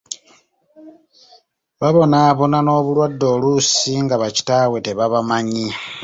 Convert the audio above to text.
Babonaabona n'obulwadde oluusi nga ba kitaabwe tebabamanyi.